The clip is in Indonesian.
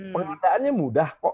pengadaannya mudah kok